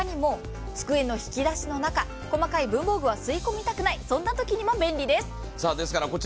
他にも机の引き出しの中細かい文房具は吸い込みたくない、そんなときにも便利です。